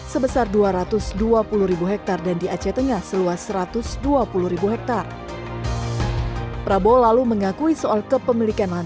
sebesar dua ratus dua puluh hektare dan di aceh tengah seluas satu ratus dua puluh hektare prabowo lalu mengakui soal kepemilikan lahan